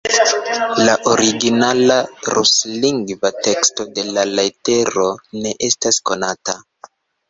La originala, ruslingva teksto de la letero ne estas konata.